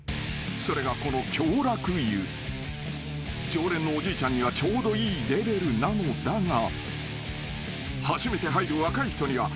［常連のおじいちゃんにはちょうどいいレベルなのだが］